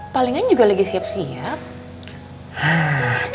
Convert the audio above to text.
palingan juga lagi siap siap